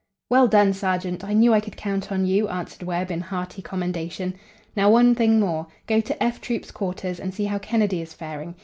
"Well done, sergeant! I knew I could count on you," answered Webb, in hearty commendation. "Now, one thing more. Go to 'F' Troop's quarters and see how Kennedy is faring.